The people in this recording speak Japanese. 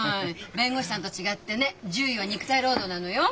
弁護士さんと違ってね獣医は肉体労働なのよ。